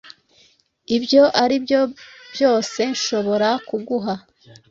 ibyo aribyo byose nshobora kuguha